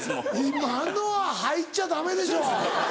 今のは入っちゃダメでしょ。